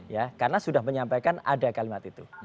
ya karena sudah menyampaikan ada kalimat itu